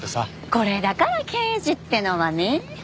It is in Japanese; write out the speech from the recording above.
これだから刑事ってのはねえ。